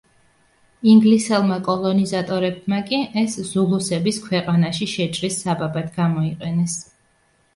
ინგლისელმა კოლონიზატორებმა კი ეს ზულუსების ქვეყანაში შეჭრის საბაბად გამოიყენეს.